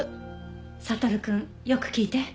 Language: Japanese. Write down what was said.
悟くんよく聞いて。